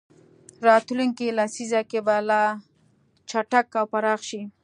راتلونکې لسیزه کې به لا چټک او پراخ شي.